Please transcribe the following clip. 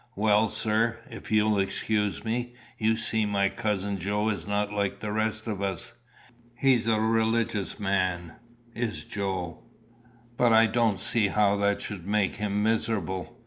"Well, sir, if you'll excuse me, you see my cousin Joe is not like the rest of us. He's a religious man, is Joe." "But I don't see how that should make him miserable.